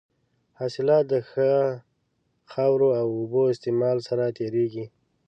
حاصلات د ښه خاورو او اوبو د استعمال سره زیاتېږي.